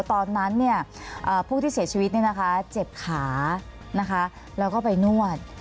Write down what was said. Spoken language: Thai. ตอนนั้นผู้ที่เสียชีวิตเจ็บขาแล้วก็ไปนวด